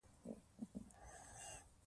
هیواد ته د خدمت لپاره ګام پورته کاوه.